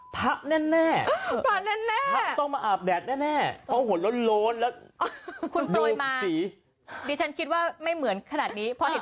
พระคุณโดยเศรีเหรียญ